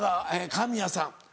神谷さん